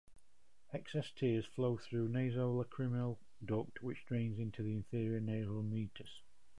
Excess tears flow through nasolacrimal duct which drains into the inferior nasal meatus.